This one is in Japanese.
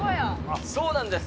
そうなんです。